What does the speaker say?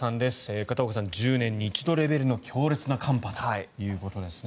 片岡さん、１０年に一度レベルの強烈な寒波だということですね。